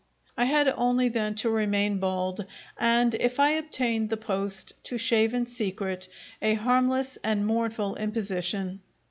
I had only, then, to remain bald, and, if I obtained the post, to shave in secret a harmless and mournful imposition.